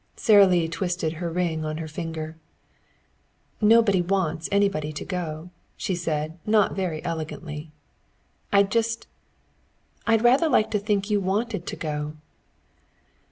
Sara Lee twisted her ring on her finger. "Nobody wants anybody to go," she said not very elegantly. "I'd just I'd rather like to think you wanted to go."